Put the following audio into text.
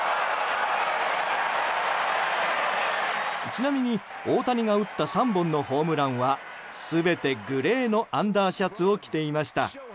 ちなみに大谷が打った３本のホームランは全てグレーのアンダーシャツを着ていました。